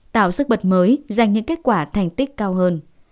tạo sức bật mới dành những kết quả thành tích cao hơn